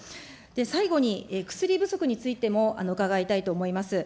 最後に、薬不足についても伺いたいと思います。